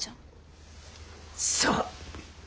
そう。